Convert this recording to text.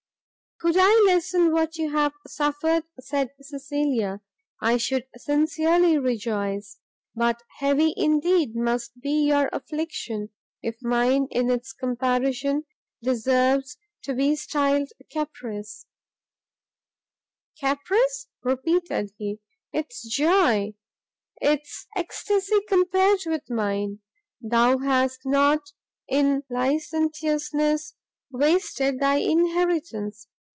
"Could I lessen what you have suffered," said Cecilia, "I should sincerely rejoice; but heavy indeed must be your affliction, if mine in its comparison deserves to be styled caprice!" "Caprice!" repeated he, "'tis joy! 'tis extacy compared with mine! Thou hast not in licentiousness wasted thy inheritance!